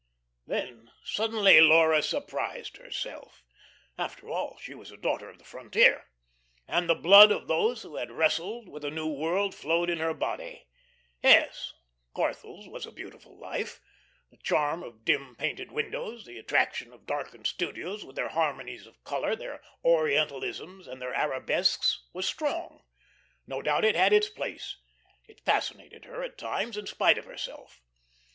Then suddenly Laura surprised herself. After all, she was a daughter of the frontier, and the blood of those who had wrestled with a new world flowed in her body. Yes, Corthell's was a beautiful life; the charm of dim painted windows, the attraction of darkened studios with their harmonies of color, their orientalisms, and their arabesques was strong. No doubt it all had its place. It fascinated her at times, in spite of herself.